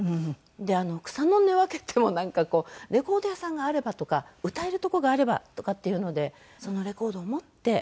で草の根分けてもなんかこうレコード屋さんがあればとか歌えるとこがあればとかっていうのでそのレコードを持って。